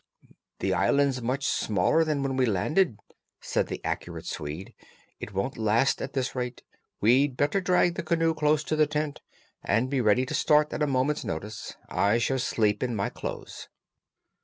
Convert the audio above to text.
"The island's much smaller than when we landed," said the accurate Swede. "It won't last long at this rate. We'd better drag the canoe close to the tent, and be ready to start at a moment's notice. I shall sleep in my clothes."